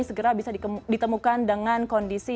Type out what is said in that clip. segera bisa ditemukan dengan kondisi